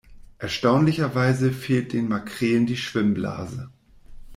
Erstaunlicherweise fehlt den Makrelen die Schwimmblase.